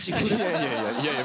いやいやいや違う。